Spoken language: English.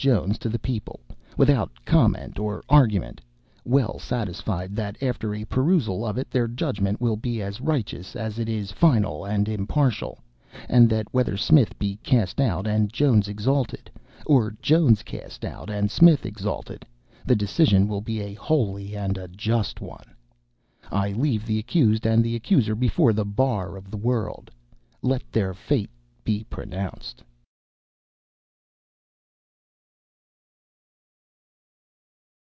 Jones to the people, without comment or argument, well satisfied that after a perusal of it, their judgment will be as righteous as it is final and impartial, and that whether Smith be cast out and Jones exalted, or Jones cast out and Smith exalted, the decision will be a holy and a just one. I leave the accused and the accuser before the bar of the world let their fate be pronounced.